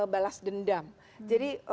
balas dendam jadi